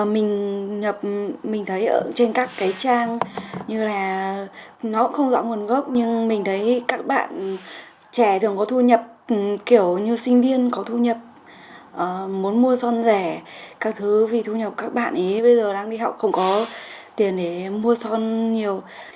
mình thấy ở trên các cái trang như là nó không rõ nguồn gốc nhưng mình thấy các bạn trẻ thường có thu nhập kiểu như sinh viên có thu nhập muốn mua son rẻ các thứ vì thu nhập các bạn ý bây giờ đang đi học cũng có tiền để mua son nhiều